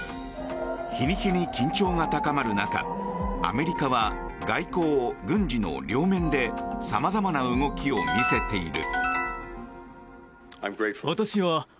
日に日に緊張が高まる中アメリカは外交・軍事の両面でさまざまな動きを見せている。